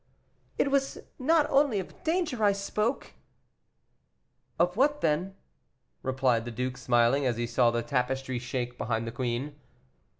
"It was not only of danger I spoke!" "Of what, then?" replied the duke, smiling, as he saw the tapestry shake behind the queen.